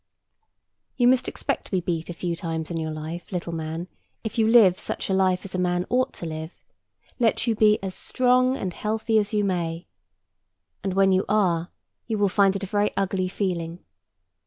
You must expect to be beat a few times in your life, little man, if you live such a life as a man ought to live, let you be as strong and healthy as you may: and when you are, you will find it a very ugly feeling.